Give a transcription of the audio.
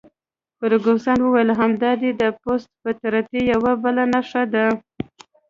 فرګوسن وویل: همدا دي د پست فطرتۍ یوه بله نښه ده.